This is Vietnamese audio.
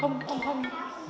không không không